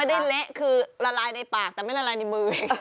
ได้เละคือละลายในปากแต่ไม่ละลายในมือ